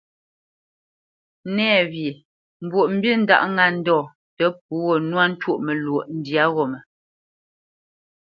Nɛ̂wye Mbwoʼmbî ndáʼ ŋá ndɔ̂ tə pʉ̌ gho nwá ntwôʼ məlwɔʼ ndyǎ ghó mə.